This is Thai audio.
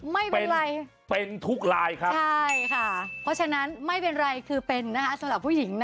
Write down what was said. ไม่เป็นไรเป็นทุกลายครับใช่ค่ะเพราะฉะนั้นไม่เป็นไรคือเป็นนะคะสำหรับผู้หญิงนะ